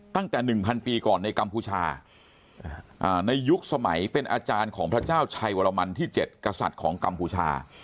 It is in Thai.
ตั้งแต่๑๐๐ปีก่อนในกัมพูชาในยุคสมัยเป็นอาจารย์ของพระเจ้าชัยวรมันที่๗กษัตริย์ของกัมพูชา